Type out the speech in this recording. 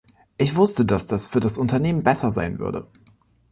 Ich wusste, dass das für das Unternehmen besser sein würde.